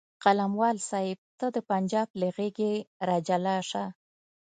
قلموال صاحب ته د پنجاب له غېږې راجلا شه.